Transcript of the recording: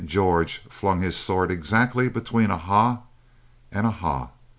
George flung his sword exactly between a "ha" and a "ha."